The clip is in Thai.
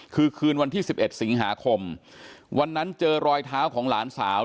คือคืนวันที่๑๑สิงหาคมวันนั้นเจอรอยเท้าของหลานสาว